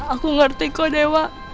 aku ngerti kok dewa